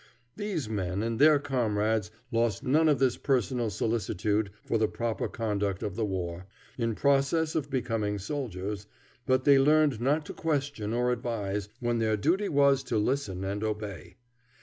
These men and their comrades lost none of this personal solicitude for the proper conduct of the war, in process of becoming soldiers, but they learned not to question or advise, when their duty was to listen and obey.